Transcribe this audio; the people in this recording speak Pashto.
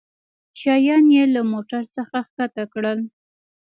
شيان يې له موټرڅخه کښته کړل.